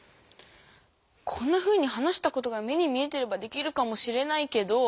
こんなふうに話したことが目に見えてればできるかもしれないけど。